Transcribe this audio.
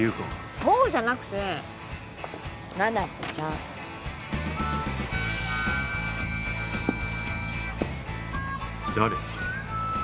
そうじゃなくて七子ちゃん誰？